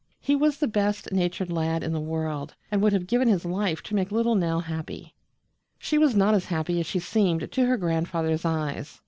He was the best natured lad in the world, and would have given his life to make little Nell happy. She was not as happy as she seemed to her grandfather's eyes.